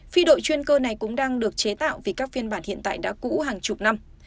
phi đội chuyên cơ này cũng đang được chế tạo vì các phiên bản hiện tại đã cũ hàng chục năm